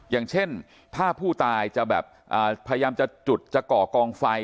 อย่างเช่นถ้าผู้ตายจะแบบพยายามจะจุดจะก่อกองไฟ